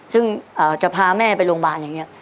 ซึ่งจะพาแม่ไปโรงพยาบาลอย่างนี้